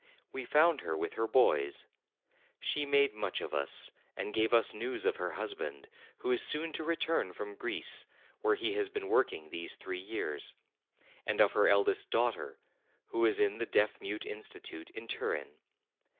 We found her with her boys : she made much of us and gave us news of her husband, who is soon to return from Greece, where he has been working these three years ; and of her eldest daughter, who is in the Deaf mute Institute in Turin.